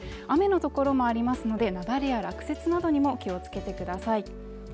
雨の所もありますので雪崩や落石などにも気をつけてください